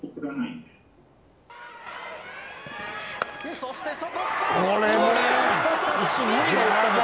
そして外。